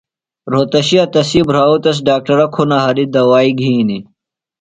رھوتشیہ تسی بھراؤ تس ڈاکٹرہ کُھنہ ہریۡ دوائی گِھینیۡ۔